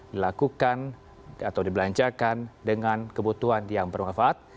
dilakukan atau dibelanjakan dengan kebutuhan yang bermanfaat